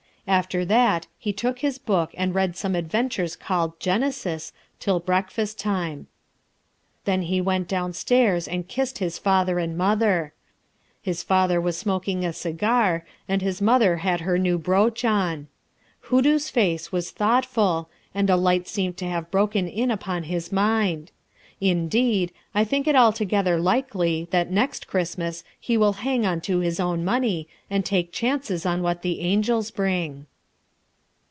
After that he took his book and read some adventures called "Genesis" till breakfast time. Then he went downstairs and kissed his father and mother. His father was smoking a cigar, and his mother had her new brooch on. Hoodoo's face was thoughtful, and a light seemed to have broken in upon his mind. Indeed, I think it altogether likely that next Christmas he will hang on to his own money and take chances on what the angels bring.